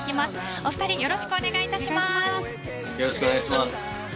お二人、よろしくお願いします。